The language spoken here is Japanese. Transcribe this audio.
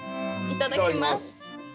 いただきます。